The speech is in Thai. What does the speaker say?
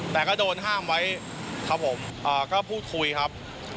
แต่ก็โดนห้ามไว้ครับผมก็พูดคุยครับ